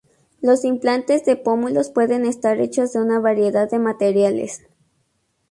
Los implantes de pómulos pueden estar hechos de una variedad de materiales.